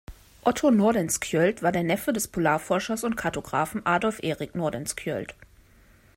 Otto Nordenskjöld war der Neffe des Polarforschers und Kartographen Adolf Erik Nordenskjöld.